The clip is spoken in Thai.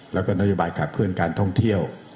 แล้วก็นโยบายขับเคลื่อนการท่องเที่ยว